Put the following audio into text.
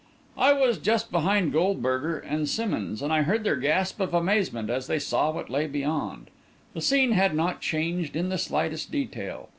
I was just behind Goldberger and Simmonds, and I heard their gasp of amazement, as they saw what lay beyond. The scene had not changed in the slightest detail.